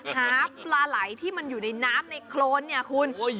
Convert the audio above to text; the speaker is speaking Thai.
หาปลาไหล่ที่มันอยู่ในน้ำในโคตรคุณ